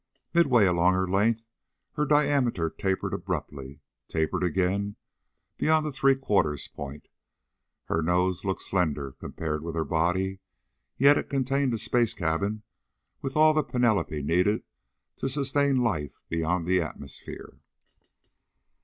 Midway along her length her diameter tapered abruptly, tapered again beyond the three quarters point. Her nose looked slender compared with her body, yet it contained a space cabin with all the panoply needed to sustain life beyond the atmosphere.